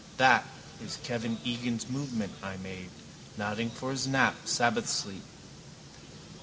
That is Kevin Egan's movement I made, nodding for his nap, sabbath sleep.